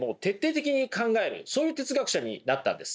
そういう哲学者になったんです。